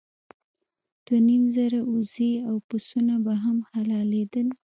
دوه نیم زره اوزې او پسونه به هم حلالېدل.